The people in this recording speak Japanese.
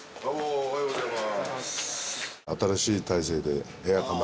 おはようございます。